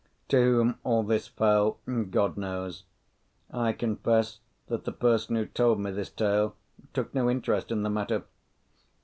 To whom all this fell, God knows. I confess that the person who told me this tale took no interest in the matter.